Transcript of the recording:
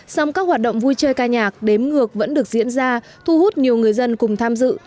song các hoạt động vui chơi ca nhạc đếm ngược vẫn được diễn ra thu hút nhiều người dân cùng tham dự